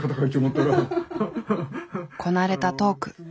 こなれたトーク。